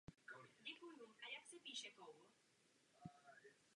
Po jeho bocích rostou tuhé chlupy a ocas kvůli tomu může připomínat pero ptáka.